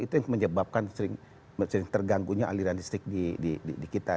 itu yang menyebabkan sering terganggu aliran di stik di kita